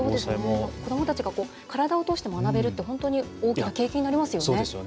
子どもたちが体を通して学べるって大きな経験になりますね。